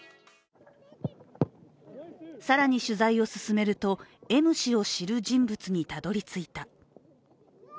更に取材を進めると、Ｍ氏を知る人物にたどりついた。